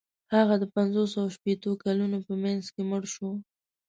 هغه د پنځوسو او شپیتو کلونو په منځ کې مړ شو.